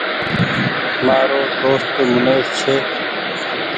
مآرو دوست منيش ڇي